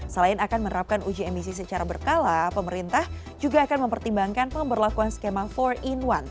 selain akan menerapkan uji emisi secara berkala pemerintah juga akan mempertimbangkan pemberlakuan skema empat in satu